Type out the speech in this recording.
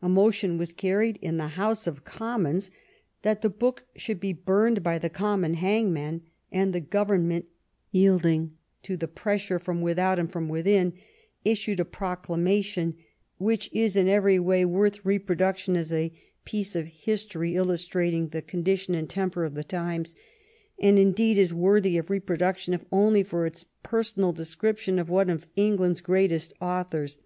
A motion was carried in the House of Commons that the book should be burned by the common hangman, and the government, yielding to the pressure from without and from within, issued a proclamation which is in every way worth reproduction as a piece of history illustrating the con dition and temper of the times, and indeed is worthy of reproduction if only for its personal description of one of England's greatest authors.